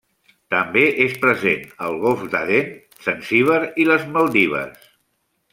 També és present al Golf d'Aden, Zanzíbar i les Maldives.